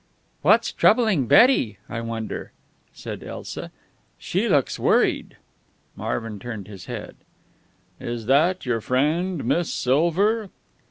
"What's troubling Betty, I wonder," said Elsa. "She looks worried." Marvin turned his head. "Is that your friend, Miss Silver?"